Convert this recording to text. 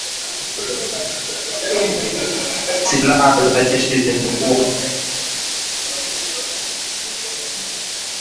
Silaha za jeshi zinashukiwa kuangukia kwenye mikono ya kundi lenye sifa mbaya la linalolaumiwa